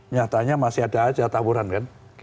nyatanya masih ada aja taburan kan